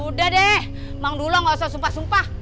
sudah deh emang dulu gak usah sumpah sumpah